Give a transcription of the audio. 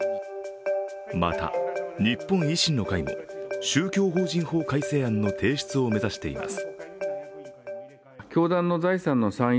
また、日本維新の会も宗教法人法改正案の提出を目指しています。